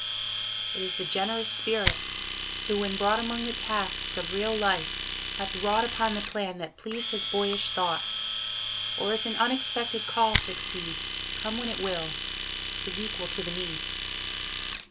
It is the generous Spirit, who, when brought Among the tasks of real life, hath wrought Upon the plan that pleased his boyish thought... Or if an unexpected call succeed, Come when it will, is equal to the need.